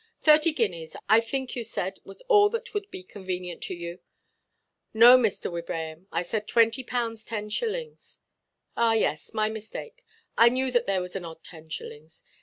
Thirty guineas, I think you said, was all that would be convenient to you." "No, Mr. Wibraham; I said twenty pounds ten shillings." "Ah, yes, my mistake. I knew that there was an odd ten shillings.